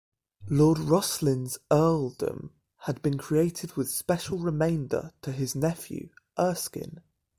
Lord Rosslyn's earldom had been created with special remainder to his nephew, Erskine.